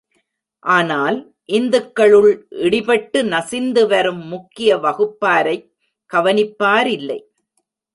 ஆனால் இந்துக்களுள் இடிபட்டு நசிந்து வரும் முக்கிய வகுப்பாரைக் கவனிப்பாரில்லை.